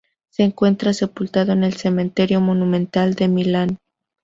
Se encuentra sepultado en el Cementerio Monumental de Milán.